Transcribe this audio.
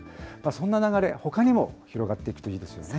そんな流れ、ほかにも広がっていくといいですね。